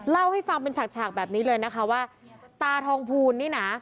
เล่าให้ฟังเป็นฉากฉากแบบนี้เลยนะคะว่าตาทองภูลนี่นะ